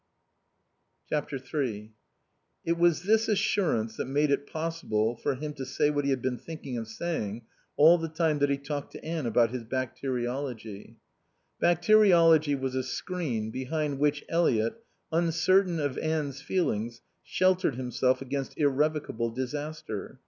It was this assurance that made it possible for him to say what he had been thinking of saying all the time that he talked to Anne about his bacteriology. Bacteriology was a screen behind which Eliot, uncertain of Anne's feelings, sheltered himself against irrevocable disaster.